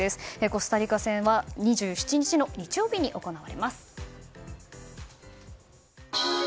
コスタリカ戦は２７日の日曜日に行われます。